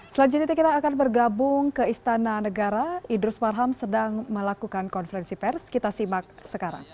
selanjutnya kita akan bergabung ke istana negara idrus marham sedang melakukan konferensi pers kita simak sekarang